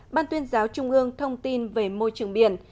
ban tuyên giáo trung ương thông tin về môi trường biển